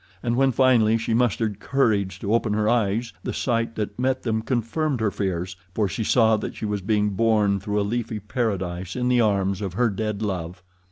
And when finally she mustered courage to open her eyes, the sight that met them confirmed her fears, for she saw that she was being borne through a leafy paradise in the arms of her dead love.